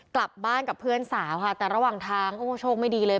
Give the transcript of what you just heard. กลับบ้านกับเพื่อนสาวค่ะแต่ระหว่างทางโอ้โชคไม่ดีเลย